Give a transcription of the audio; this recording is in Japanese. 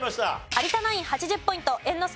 有田ナイン８０ポイント猿之助